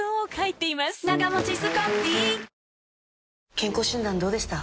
健康診断どうでした？